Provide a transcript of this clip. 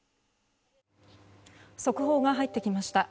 速報が入ってきました。